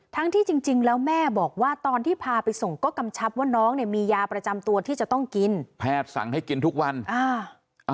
ที่จริงจริงแล้วแม่บอกว่าตอนที่พาไปส่งก็กำชับว่าน้องเนี่ยมียาประจำตัวที่จะต้องกินแพทย์สั่งให้กินทุกวันอ่า